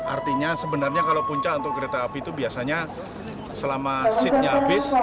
artinya sebenarnya kalau puncak untuk kereta api itu biasanya selama seatnya habis